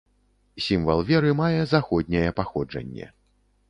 Сімвал веры мае заходняе паходжанне.